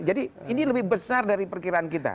jadi ini lebih besar dari perkiraan kita